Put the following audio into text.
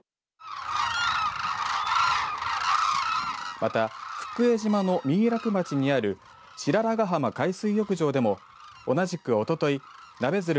また福江島の三井楽町にある白良ヶ浜海水浴場でも同じくおとといナベヅル